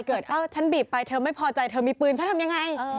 เอ้าฉันบีบไปเธอไม่พอใจเธอมีปืนฉันทำยังไง